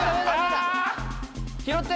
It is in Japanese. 拾って！